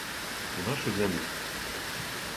У нашој земљи?